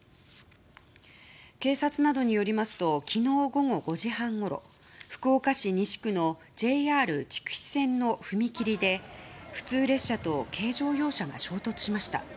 警察などによりますと昨日午後５時半ごろ福岡市西区のＪＲ筑肥線の踏切で普通列車と軽乗用車が衝突しました。